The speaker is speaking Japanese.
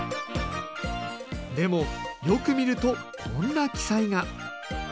でもよく見るとこんな記載が。